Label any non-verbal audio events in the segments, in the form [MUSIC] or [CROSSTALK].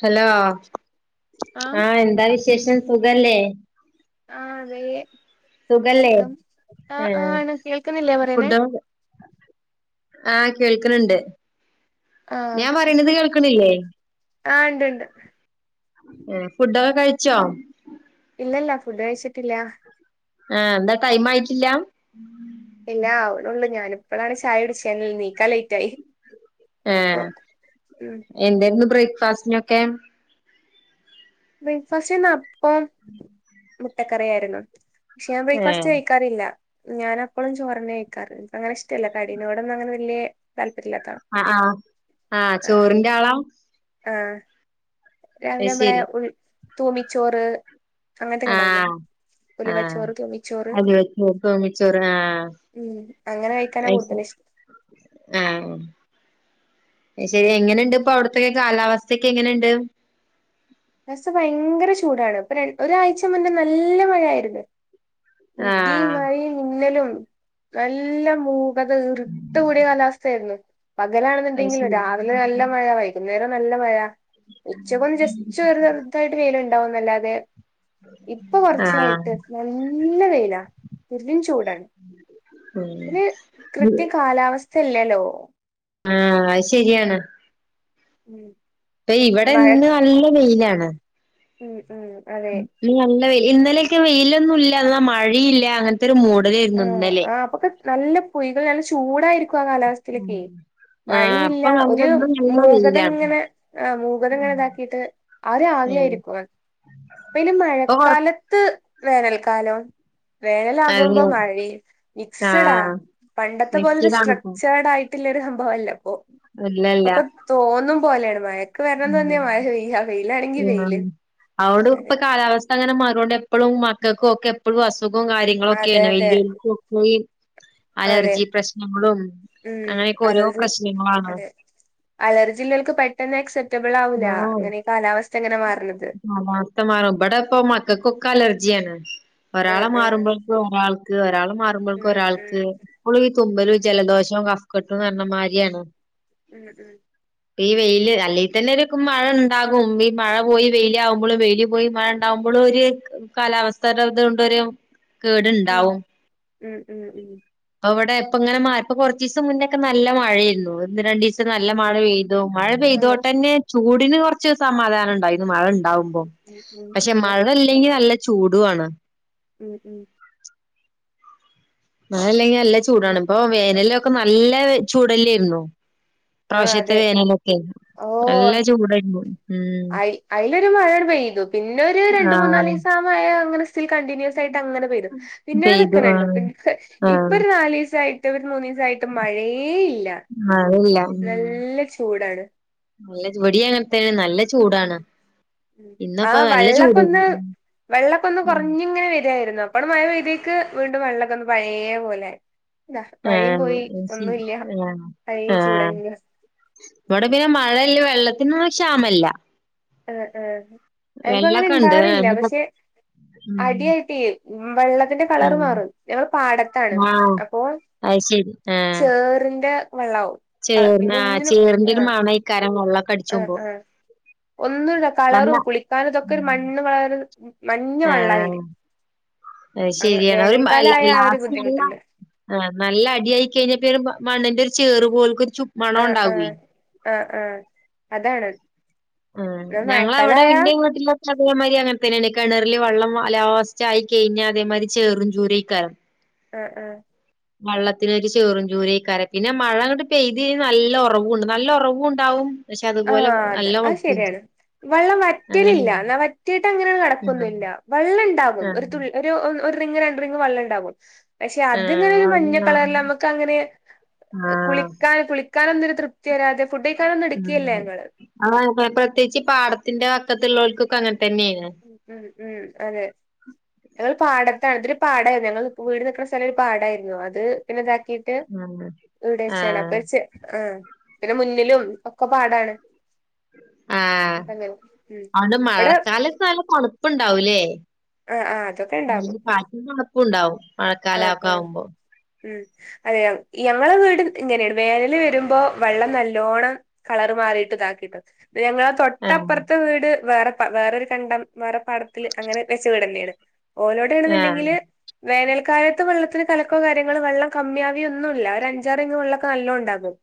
Hello ആഹ് ആ എന്താ വിശേ വിശേഷം സഖല്ലേ ആഹ് അതേ സുഖം ആ ആ ആണ് കേൾക്കുന്നില്ലേ പറയുന്നേ ആ കേൾക്കണ് ണ്ട് ഞാൻ പറയണുന്നത് കേൾക്ക്ണില്ലേ ആ ഉണ്ട്ണ്ട് ഏ ഫുഡൊക്കെ കഴിച്ചോ ഇല്ലല്ല ഫുഡ് കഴിച്ചിട്ടില്ല ആ എന്താ ടൈം ആയിട്ടില്ല ഇല്ല അവിടെള്ളൂ ഞാനിപ്പോഴാണ് ചായടിച്ചന്ന നീക്കാ ലേറ്റ് ആയി ആ അപ്പൊ ഉം എന്തന്ന് ബ്രേ ക്ക് ഫാസ്റ്റിനൊക്കെ ബ്രേക്ഫാസ്റ്റ് നാ അപ്പോം മുട്ടക്കറിയായിരുന്നു പക്ഷെ ഞാൻബ്രോക്ക്ഫാസ്റ്റ് ഏഹ് കഴിക്കാറില്ല ഞാൻ അപ്പോഴും ചോറിന്നെ കഴിക്കാറ് എനക്ക് അങ്ങന ഇഷ്ടല്ല കടിനോടന്നും അങ്ങനെ വലിയ താല്പ ആ ആ ആഹ ചോറിന്റെ ആളാ ആ അത് രാവിലെമ്മള ഉ തൂമിച്ചോറ് അങ്ങനത്തൊക്കെ ആ ഇണ്ടാവൂലേ ഉലുവച്ചോറ് തൂമിച്ചോറ് ആഅത് വെച്ചമിച്ചോറ് ഉം അങ്ങനെ കഴിക്കാനാ കൂടുതലിഷ്ടം ആആ ശരി ഉം എങ്ങനെയുണ്ട് ഇപ്പോ അവിടത്തൊക്കെ കാലാവസ്ഥയക്കെ എങ്ങനെയുണ്ട് [UNINTELLIGIBLE] ഭയങ്കര ചൂടാണ് ഇപ്പൊ ഒരാഴ്ച മുന്നെ നല്ല മഴയായിരുന്നു ഇടിയും ആഹ് മഴയും മിന്നലും എല്ല മൂ [UNINTELLIGIBLE] ഇർട്ട് കൂടിയ കാലാവസ്ഥയായിരുന്നു അത് പകലാണെന്നുണ്ടെങ്കിൽ ശരി രാവിലെ നല്ല മഴ വൈകു അന്നേരം നല്ല മഴ ഇച്ഛക്കൊന്ന് ജസ്റ്റ്‌ ചെറുതായിട്ട് വെയില് ഉണ്ടാവുന്നല്ലാതെ ഇപ്പൊ ആഹ് കുറച്ചായിട്ട് നല്ല വെയിലാ പെരും ചൂടാണ് ഒരു ഉം കൃത്യ കാലാവസ്ഥ ചെല്ലേല്ലോ ആ അയ്ശരിയാണ് ഉം അപ്പ ഇവിടെ മഴ ഇന്ന് നല്ല വെയിലാണ് ഉം ഉം ഉം അതെ ഉം ന്ന് നല്ലവെയ് ഇന്നലെയൊക്കെ വെയിലൊന്നും ഇല്ല എന്നാൽ മഴയില്ല അങ്ങൻതെ ഒരു മൂടലായിരുന്നു ആഹ് ഇന്നലേ ആഹ് അപ്പൊക്കെ നല്ല പുയികൾ നല്ല ചൂടായിരി ക്കും ആ ഉം കാലാവസ്ഥയിലൊക്കെ ആഹ് മഴയില്ല ഇപ്പൊ നല്ല ഒരു ഇന്ന് നല്ല മൂഗത വെയിലാണ്. ഇങ്ങനെ ആ ഉം മൂഗതെങ്ങനെ ഇതാക്കിട്ട് ആ ഒരു ആവിയായിരിക്കും അത് അപ്പ ഇല് ഇപ്പൊ കൊറ മഴക്കാലത്ത് വേനൽക്കാലം വേനലാകും ഇപ്പോ അതെ മഴേ മിക്സ്ഡാ ആഹ് പണ്ടത്തെ പോല മിക്സിയിലാണിപ്പോ സ്‌ട്രുക്ചർഡ് ആയി ട്ടൊരു സംഭവം അല്ല അപ്പൊ ഇല്ലല്ല ഇപ്പൊക്കൊ തോന്നും പോലേണ് മഴയത് ക്ക് വരണംന്ന് തന്നെ മഴ ഉം ആ വെയിലാണെങ്കി വെയിയില് അതൊണ്ട് ഇപ്പൊ അതെ കാലാവസ്ഥ അങ്ങനെ മറൊണ്ട് എപ്പോഴും മക്കൾക്കും ഒക്കെ എപ്പോഴും അസു അസുഖം കാര്യങ്ങളും അതെ ഒക്കെയാണ് അതെ വല്ല്യോര്ക്കും [UNINTELLIGIBLE] അതെ ഉം അങ്ങനെയൊക്കെ ഓരോ അലർജി പ്രശ്നങ്ങളാണ്. അതെ അലർജിള്ളോൽക്ക്‌ പെട്ടെന്ന് എക്സെപ് റ്റബിള് ആവൂല ഇങ്ങനെ കാലാവസ്ഥ ഇങ്ങനെ മാറണത് ആ [UNINTELLIGIBLE] ബടെ പ്പോ മക്കൾക്കൊക്കെ അലർജി ജിയാണ് ആഹ് ഒരാളെ ആഹ് മാറുമ്പോൾക്ക് ഒരാൾക്ക് ഒരാളെ മാറുമ്പോൾക്ക ഉം ഒരാൾക്ക് ഉം പ്പോളും ഈ തുമ്പലും ഉം ജലദോഷവും കഫ്കട്ടുംന്ന് പറഞ്ഞ മാരിയാണ്. ഉം ഇപ്പ ഈ വെയില് അല്ലെങ്കി തന്നെ രു മഴ ഇണ്ടാകും മഴ പോയി വെയില ആവ്മ്പോഴും വെയില് പോയി മഴ ഇ ണ്ടാവുമ്പോഴും ഒരു കാലാവസ്ഥയുടെ ഇതോണ്ടെരു ഉം കേട്ണ്ടാവും ഉം ഉം ഉം അവിടെ ഇപ്പ ഇങ്ങനെ മയ പ്പോ കൊറച്ചീസം മുന്നേ ഒക്കെ നല്ല മഴയായിരുന്നു ഒന്ന് രണ്ടീസ നല്ല ഉം മഴ പെയ്തു മഴ അതെ പെയ്തോട്ടെന്നെ ചൂട് ഇന്ന് കൊർച്ച് സമാധാനം ഇണ്ടായിന്നു മഴ ഉണ്ട്. ണ്ടാവുമ്പോ ഉം ഉം പഷേ ഉം അതെ മഴ ഇല്ലെങ്കി നല്ല ചൂടും ആണ് ഉം ഉം മഴ ഇല്ലെങ്കിൽ - നല്ല ഉം. ചൂടാണ് പ്പൊ വേനലൊക്കെ നല്ല ചൂടല്ലെർന്നോ ആ ഇപ്രാവശ്യത്തെ അതെ വേനലൊക്കെ ഓ നല്ല ചൂടെ അയ് അയ്ലൊരു മഴയ പെയ്തു പിന്നെ ഒരു രണ്ട് ആഹ് മൂന്നാലീസം ആ മഴ അങ്ങനെ സ് [UNINTELLIGIBLE] പിന്നെ കണ്ടിട്ടിനുൻസ് ആയി അ മഴ പെയ്തു, പിന്നെ പെയ്തു നിൽക്കണ ആഹ് കണ്ടുഇപ്പൊ ആഹ് ഒരു നാലു ദിവസമായിട്ടു മൂന്നീസായിട്ട് മഴയേയില്ല മഴയില്ല ഉം നല്ല ചൂടാണ് നല്ല ഇവിടെയും അങ്ങനെ നല്ല ഉം ചൂടാണ് ആ ഇന്നിപ്പോ നല്ല ചൂടായിരുന്നു വള്ളക്കൊന്ന് വെള്ളക്കൊന്ന് ഉം കുറഞ്ഞിങ്ങനെ വരിയായിരുന്നു. അപ്പാ ണ്ട് മഴ പെയ്ത് ക്ക് വീണ്ടും വെള്ളക്കെ ഒന്ന് പയേ പോലെ ദാ ആ മഴയും പോയി ശരി ഒന്നുല്ല ആ ഈ ആഹ ചൂടഞ്ഞ ഇവിടെ പിന്നെ മഴല്ല വെള്ളത്തി നൊന്നും ക്ഷാമല്ല എ ഏ എൻക്കും അങ്ങനെ വെള്ളൊക്കെ ഉണ്ട് ആഹ് ഇണ്ടാവാറില്ല ഇനിയിപ്പോ പക്ഷെ ഉം അടിയായിട്ട് വള്ള അതിന്റെ ആഹ് കളർ മാറും ഞങ്ങൾ പാടത്താണ് ആഹ് അപ്പോ ചേറിന്റെ വെള്ളാവും കള പിന്നെ ചേർനാ ഒന്നിനും ചേർന്റൊര് ആഹ് മണയ്കാരം വെള്ള ആഹ് കടിച്ചൊബോ ആഹ് ഒന്നുല്ല നല്ല കളറും കുളിക്കാനും ഇതൊക്കെ ഒരു മ് മണ്ണ് കളർ മഞ്ഞ ഏ വെള്ളായി വരും അത് അങ്ങ് ശരിയാണ് ഒരു വേനൽക്കാലായ ആ ഒരു ലാസ്റ്റ് ബുദ്ധിമുട്ടുണ്ട് നല്ല അടിയായി കയിഞ്ഞാ പിന്നെ മണ്ണിന്റെ - ചേറ് പോൽകൊര് ച്ചും ആഹ് മണൊണ്ടാവേ ആഹ് ആഹ് ആഹ് അതാണ് ആഹ് ഞങ്ങളവിടെ മഴക്കാലായ ഇന്റെ വീട്ടിലൊക്കെ അതേമാതിരി അങ്ങനെതന്നേണെ കേണറിലെ വെള്ളം ലാസ്റ്റായി കയിഞ്ഞാ അതേ മാരി ചേറും ചൂരൈകാരം ആഹ് ആഹ് വെള്ളതിനൊരു ചേറും ചൂരൈകാരം പിന്നെ മഴങ്ങട്ട് പെയ്ത് കഴിഞ്ഞാ നല്ല ഒറവ് നല്ലൊറവുണ്ടാവും ആഅതെ അത് ശരിയാണ് വെള്ളം വറ്റലില്ല അങ്ങനെയാണ് നാ വറ്റീട്ടങ്ങനെ കെട കൊന്നുല്യ വെള്ളണ്ടാവും ഒരു ആഹ് തുള്ളി ഒ- ഒര് റിംഗ് രണ്ട് റിംഗ് വെള്ളണ്ടാവും. പശെ അതിങ്ങനൊരു ആഹ് ആഹ് മഞ്ഞകളറില് ഞമ്മക്കങ്ങനെ ആഹ് കുളിക്കാന് കുളിക്കാനൊന്നൊര് തൃപ്തിവരാതെ ഫുഡ് കഴിക്കാനൊന്ന് ഇം ആഹ് പ്രത്യേകിച്ച് ഈ പാടത്തിന്റെ വക്കത്തിള്ളോല [UNINTELLIGIBLE] ഉ ഉ ഉം അതെ പാടത്താണ് ഇതൊരു പാടായിരുന്നു ഞങ്ങളെ വീട് നിക്കണ സ്ഥലൊരു പാടായിരുന്നു. അത് പിന്നെ ഇതാ ക്കീട്ട് ആഹ് വീട് വെച്ചതാണ് അപ്പ ആഹ് ഒര് ചെ ആഹ്. പിന്നെ മുന്നിലും ഒക്കെ പാടാണ് ആഹ് അപ്പ അങ്ങനെ ഉം അതോണ്ട് ഇവിടെ മഴക്കാലത്ത് നല്ല തണുപ്പിണ്ടാവൂലേ. ആഹ് ആഹ് അതൊക്കെ ഇണ്ടാക്കും ഉണ്ടാവും മഴക്കാലക്കാവുംബം ഉം അതേയോ ഞങ്ങളെ വീട് ഇങ്ങനേണ് വേനല് വരുമ്പോ വെള്ളം നല്ലോണം കളറു മാറിയിട് താകിട്ടൊ ഞങ്ങളെ ആഹ് തൊട്ടപ്പർതെ വീട് വേറെ പാ വേറൊരു കണ്ടംവേറ പാടം ല് അങ്ങനെ വെച വീടന്നേണ് ആഹ് ഓലോടേണ്ന്ണ്ടെങ്കില് വേനൽ ക്കായത്ത് വെള്ളത്തിന് കലക്കോ കാര്യങ്ങളോ വെള്ളം കമ്മ്യാവോ ഒന്നൂല്യ ഒരഞ്ചാറ് ങ്ങ് വെള്ളൊകെ നല്ലണ്ടാവും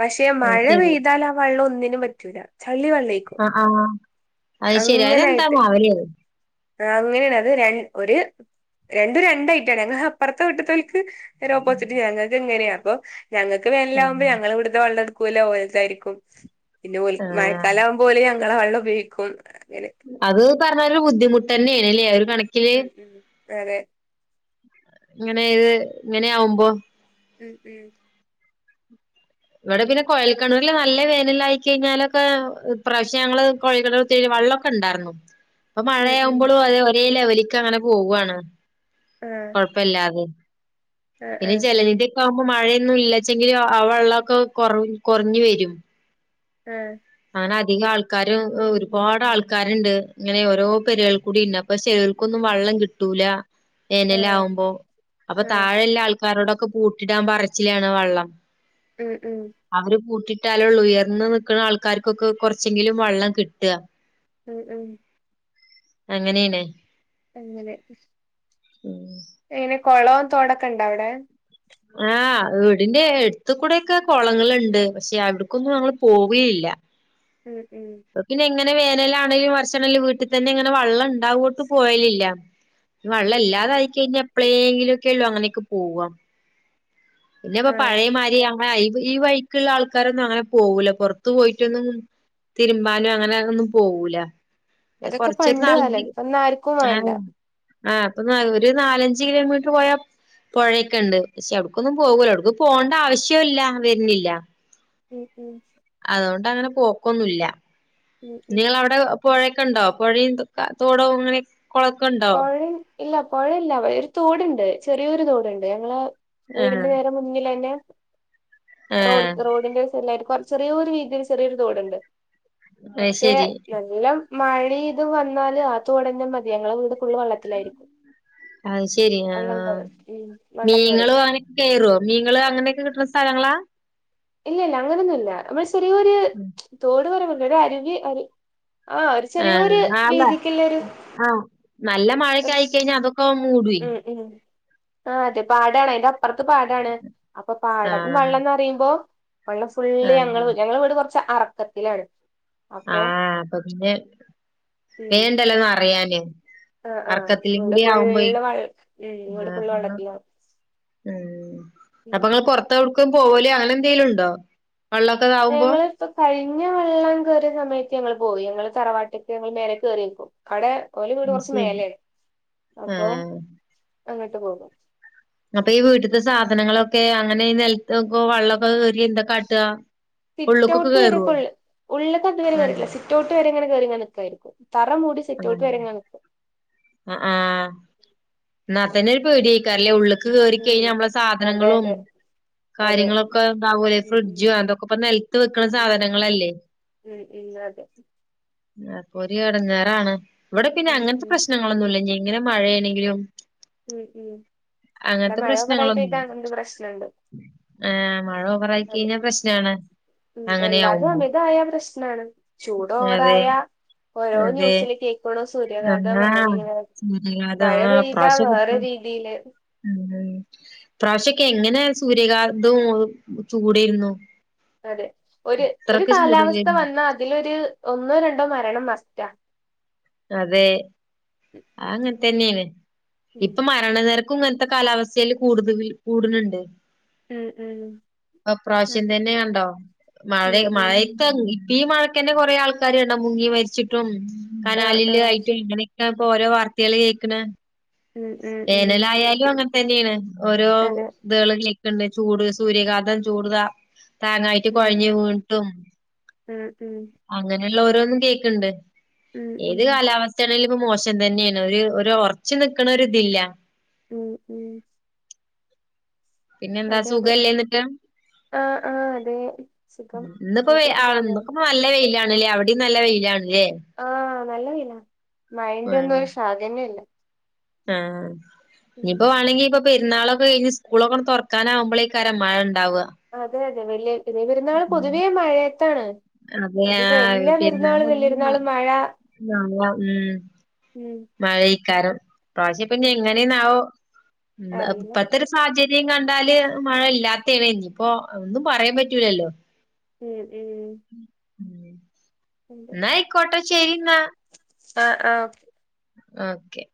പശെ അത് മഴപെയ്താലാ വെള്ളൊനി നും പറ്റൂല ശ് ആ ആഹ് അത് ശരിയാലെന്താ അങ്ങനായിട്ട് മാവിലെയാ അത് ആ അങ്ങനെയാണ് അത് ര ഒരു രണ്ടും രണ്ടായി. ഞങ്ങ അപ്പുറത്തെ വീട്ടിത്തെ ക്ക് നേരെ ഓപ്പോസിറ്റ്, ഞങ്ങക്ക് ഇങ്ങനെയാ. അപ്പൊ ഞങ്ങക്ക് ആഹ് വേനലാകുമ്പോ ഞങ്ങളിവിടുത്തെ വെള്ളം എടുത് ക്കൂല ഓലതായിരിക്കും പിന്നെ ഓല്ക്ക് ആഹ് മയക്കാല ആവുമ്പോ ഓല് ഞ നിങ്ങളെ വെള്ളം ഉപയോഗിക്കും അങ്ങനെ അത് പറഞ്ഞാല് ഒരു ബുദ്ധിമുട്ട് തന്നെയാണല്ലേ? ഓ കണക്കില് ഉം ഉം അതെ ല്ലേ ഇങ്ങനെ ഇത് ഇങ്ങനെ ആവുമ്പോ ഉം ഉം ഇവിടെ പിന്നെ കൊഴൽകിണറിൽ നല്ല വേനലായി കഴിഞ്ഞാലൊക്കെ ഈ പ്രാവശ്യം ഞങ്ങള് കൊഴൽക്കിണർ കുത്തിയതിൽ വെള്ളമൊക്കെ ഇണ്ടാർന്നു. അപ്പൊ ഉം ഉം മഴയാവുമ്പോളും അത് ഒരേ ലെവലി ലിക്ക് അങ്ങനെ പോവ്വാണ് ആഹ് കൊഴപ്പില്ലാതെ ആഹ് പിന്നെ ആഹ് ചിലരുടെ ഇപ്പാവുമ്പോ മഴയൊന്നും ഇല്ലച്ചെങ്കിലും ആ വെള്ളം കൊ കൊറ കൊറഞ്ഞു വരും ആ അങ്ങനെ അധികം ആൾക്കാരും ഒരുപാട് ആൾക്കാരുണ്ട്, ഇങ്ങനെ ഓരോ പെരേൽ കൂടി ഇണ്ട് അപ്പൊ ചിലർക്കൊന്നും വെള്ളം കിട്ടൂല. വേനൽ ആഹ് ആവുമ്പോ അപ്പൊ ആഹ് താഴെ ഇള്ള ആൾക് കാറോടൊക്കെ പൂട്ടിടാൻ പറിച്ചിലാണ് വെള്ളം. ഉം ഉം അവര് പൂട്ടി കിട്ടാലുള്ളു ഉയർന്ന് നിൽക്കണ ആൾക് ക്കാർക്കൊക്കെ കൊറച്ചെങ്കിലും വെള്ളം കിട്ടുക. ഉം ഉം അങ്ങനെയാണ്. അങ്ങനെ ഉം എങ്ങനെ കൊളവും തോടൊക്കെ ഇണ്ടൊ അവിടെ? ആഹ് വീടിന്റെ എടുത് കൂടൊക്കെ കൊളങ്ങളുണ്ട്, പക്ഷെ അവിടക്കൊന്നും ങ്ങള് പോവയില്ല. ഉം ഉം അങ്ങനെ വേനലാണെങ്കിലും വർഷാണെങ്കിലും, വീട്ടിൽ തന്നെ ഇങ്ങനെ വെള്ളം ഉണ്ടാവോണ്ട് പോയലില്ല. ഉം ഉം വെള്ളംല്ലാതായി കഴിഞ്ഞാ പിൻ എപ്ലെങ്കിലൊക്കെ ഉള്ളൂ അങ്ങനെയൊക്കെ പോവ. പിന്നെപ്പൊ ആഹ് പഴേമാരിയാ ആ ഈ ഈ വൈക്ക്ള്ള ആൾക്കാരൊന്നും അങ്ങനെ പോവൂല പൊറത്ത് പോയിട്ടൊന്നും തിരുമ്പാനും അങ്ങനെ ഒന്നും പോവൂല അതൊക്കെ കൊറച്ചൊരു പണ്ട് കാലം ഇപ്പൊന്നും ആർക്കും വേണ്ട ആ അപ്പൊ ഒരു നാലഞ്ച് കിലോമീറ്റർ പോയ പൊയൊക്കെ ണ്ട് പക്ഷെ അവി ക്കൊന്നും പോവൂല ഒട്ക്കും പോവണ്ട ആവശ്യം ഇല്ല വരുന്നില്ല ഉം ഉം അതോണ്ട് അങ്ങനെ പോക്കൊന്നുല്ല ഉം ഉം നിങ്ങളെ അവിടെ പൊഴ ഒക്കെണ്ടോ പോയേം തോടും അങ്ങനെ കുളൊക്കെ ഉണ്ടോ പൊഴ ഇല്ല പൊഴയില്ല വടെ ഒരു തോടുണ്ട് ചെറിയൊരു തോടുണ്ട് ഞങ്ങള് ആഹ് വീടിന്റെ നേരെ മുന്നിലന്നെ ആഹ് റോഡ് റോഡിന്റെ ഒരു സൈഡിലായിട്ട് ചെറിയൊരു വീതിയില് ചെറിയൊരു തോടുണ്ട് അത് പക്ഷെ ശരി നല്ലോം മഴിം ഇതും വന്നാല് ആ തോടെന്നെ മതി ഞങ്ങളെ വീട് ഫുള്ള് വെള്ളത്തിലായിരിക്കും അയ് ശെരി ആ വെള്ളം കേറും ഉം വെള്ളം കേറും മീങ്ങളും അങ്ങനെക്കെ കേറോ മീങ്ങൾ അങ്ങനെയൊക്കെ കിട്ടുന്ന സ്ഥലങ്ങളാ ഇല്ല ഇല്ല അങ്ങനെയൊന്നും ഇല്ല നമ്മൾ ചെറിയൊരു തോട് പറി ഒരരുവി അരു ആ ഒരു ചെറിയൊരു ആ വീതിക്കുള്ള ഒരു ആ നല്ല മഴയക്കായി കഴിഞ്ഞാൽ അതുപ്പം മൂടെ ഉം ഉം ആഹ് അതെ പാടാണ് അതിന്റെ അപ്പുറത്ത് പാടാണ് അപ്പൊ പാടം ആഹ് വെള്ളംന്നറയുമ്പോ വള്ളം ഫുള്ള് ഞങ്ങളെ ആഹ് ഞങ്ങളെ വീട് കൊറ അറക്കത്തിലാണ് ആ അപ്പൊ അപ്പൊ പിന്നെ വേണ്ടല്ലോ നറയാന് ആ ആ റോഡ് ഫുള്ള് വെള്ള ഉം വീട് ഫുള്ള് വെള്ളത്തിലാവും ഉം അപ്പൊ നിങ്ങൾ പുറത്ത പോവല അങ്ങനെ എന്തെങ്കലും ഉണ്ടോ? വെള്ളൊക്കെ ഇതാവുമ്പോ ഞങ്ങളിപ്പോ കഴിഞ്ഞ വെള്ളം കേയറിയ സമയത്ത് ഞങ്ങ പോയി ഞങ്ങള് തറവാട്ടക്ക് ഞങ്ങൾ മേലെ കേറിയേക്കും അവിടെ ഓല വീട് കുറച്ച് ശരി മേലെ അപ്പൊ ആഹ് അങ്ങട്ട് പോകും. അപ്പൊ ഈ വീട്ടത്തെ സാധനങ്ങളൊക്കെ അങ്ങനെ നിലത്തക്ക വെള്ളൊക്കെ കേറിയ എന്താ കാട്ട? സിറ്റ ഔട്ട് വരെക്ക ഉള്ള് ഉള്ളൊക്കെ ഇതുവരെ ആഹ് കേറീല്ല സിറ്റ് ഔട്ട് വരെങ്ങന കേറിങ്ങനെ നിക്കുവായിരിക്കും. തറ മൂടി സിറ്റ് ഔട്ട് വരെ ഇങ്ങനെ നിക്കും. അ ആഹ്. എന്നാ തന്നെ ഒരു പേടിയക്കാരല്ലേ ഉള്ള് കേറി ഉം കഴിഞ്ഞാൽ നമ്മളെ അതെ സാധനങ്ങളും അതെ അതെ കാര്യങ്ങളൊക്കെ ഇണ്ടാവൂലെ ഉം ഉം ഫ്രിഡ്ജും അതൊക്കെ ഇപ്പ നിലത്ത് വെക്കണ ഉം സാധനങ്ങളല്ലേ? ഉം ഉം അതെ അപ്പൊ ഒരു എടങ്ങേറാണ്. ഇവിടെ പിന്നെ ഉം അങ്ങനത്തെ ഉം പ്രശ് ല്ല ഞ്ഞിങ്ങനെ മഴേണെങ്കിലും ഉം ഉം ഇവിടെ അങ്ങനത്തെ മഴ ഓവറായി പ്രശ്നങ്ങളൊന്നും പെയ്താ അങ്ങനത്തെ പ്രശ്നണ്ട് ആഹ് മഴ ഓവറായി അതെ കഴിഞ്ഞാ പ്രശ്നാണ്. ഉം എല്ലാതും അങ്ങനെയാവുമ്പോ അമിതായ പ്രശ്നാണ് ചൂട് അതെ ഓവറായ ഓരോ അതെ ന്യൂസില് കേക്ക ആഹ് സൂര്യഘാതം മഴ ആ ഈ പെയ്താ പ്രാവശ്യം വേറെ [UNINTELLIGIBLE] രീതിയില് ഉം. പ്രാവശ്യൊക്കെ എങ്ങനെ സൂര്യഘാതവും ചൂടേയിരുന്നു. അതെ ഒരു ഒരു കാലാവസ്ഥ ചൂടല്ലേരുന്നു വന്നാൽ അതിലൊരു ഒന്നോ രണ്ടോ മരണം മസ്റ്റാ. അതെ. ആ അങ്ങ തന്നേണ്. ഉം ഇപ്പൊ മരണ നെര കും ഇങ്ങനത്തെ കാലാവസ്ഥേല് കൂടുതല് കൂടനെണ്ട്. ഉം ഉം അപ്രാവശ്യം അതെ തന്നെ കണ്ടോ മഴ ഉം ഉം മഴക്ക ഇപ്പ ഈ മഴ കെന്റെ കൊറേ ആൾക്കാര് കണ്ട മുങ്ങി മരിച്ചിട്ടും ആഹ് കനാലില് ആഹ് ആയിട്ടും ഇങ്ങനെയൊക്ക ഇപ്പൊ ഓരോ വാർത്തള് കേക്കണ് ഉം ഉം ഉം വേനലായാലും അങ്ങനെ തന്നെയാണ് ഓരോ അതെ ഇതള [INAUDIBLE] ണ്ട് ചൂട് സൂര്യകാന്തം ചൂട്താ താങ്ങായിട്ട് ഉം കൊഴഞ്ഞ് വീണിട്ടും. ഉം ഉം ല്ല ഓരോന്നും കേക്ക്ണ്ട് ഉം ഏത് ഉം കാലാവസ്ഥേണെങ്കിലും ഇപ്പൊ മോശ് ൻ തന്നെണ് ഒരു ഒര് ഒർച്ച് നിക്ക്ണ ഒര് ഇതില്ല ഉം ഉം പിന്നെ എന്താ അതെ അതെ സുഖല്ലേ എന്നിട്ട് ആഹ് ആഹ് അതെ സുഖം ഇന്ന്പ്പോ എ നിനക്ക് ആ സുഖല്ലേ ഇന്നക്കപ്പോ നല്ല വെയിലാ നലെ അവിടിം നല്ല വെയിലാണ് ലെ ആഹ് നല്ല വെയിലാ മുഴന്റെന്നും ഒരു ശാഖന്നെ ഇല്ല ആഹ് ഉം ഇനിയിപ്പൊ വേണെങ്കിപ്പൊ പെര്ന്നാളൊക്കെ കഴിഞ്ഞ് സ്കൂളൊക്കെ തുറക്കാനാവുമ്പളേക്കരം മഴ ഉണ്ടാവ ജവല്യ ചെറിയപെരുന്നാൾ പൊതുവേ മഴയത്താണ് അതെ അധികം ആഹ് എല്ലാ പെരുന്നാൾ പെരുന്നാളും കഴിഞ്ഞ് വല്യര്ന്നാളും മഴ ഉം മഴേക്കാരം ഇപ്രാവശ്യ ഇപ്പൊ ഉം എങ്ങനെണാവോ ഉം അറിയില്ല ഇപ്പത്തരു സാഹചര് [UNINTELLIGIBLE] കണ്ടാല് മഴ ഇല്ലാത്തതേനി ഇപ്പൊ ഒന്നും പറയാൻ പറ്റൂലല്ലോ ഉം ഉം ന്നാ അയ്കോട്ടെ ശരിന്നാ അ ആഹ് ഓക്കെ ഓക്കെ